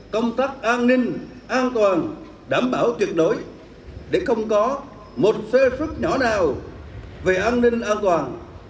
công tác an ninh an toàn đảm bảo tuyệt đối để không có một xe xuất nhỏ nào về an ninh an toàn